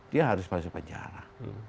dia harus masuk penjara